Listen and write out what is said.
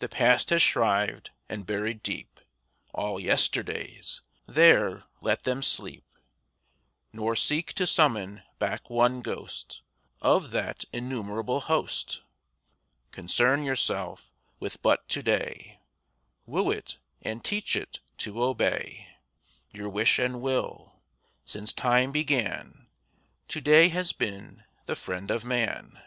The past has shrived and buried deep All yesterdays—there let them sleep, Nor seek to summon back one ghost Of that innumerable host. Concern yourself with but to day; Woo it and teach it to obey Your wish and will. Since time began To day has been the friend of man.